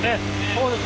そうです。